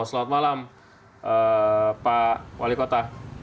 selamat malam pak wali kota